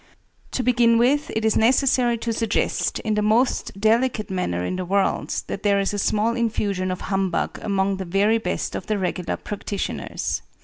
To begin with, it is necessary to suggest, in the most delicate manner in the world, that there is a small infusion of humbug among the very best of the regular practitioners.